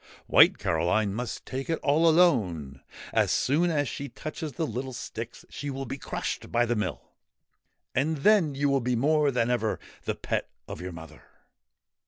White Caroline must take it all alone. As soon as she touches the little sticks she will be crushed by the mill, and then you will be more than ever the pet of your mother